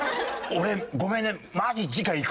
俺ごめんね。